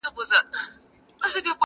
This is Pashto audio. د پسرلي وريځو به،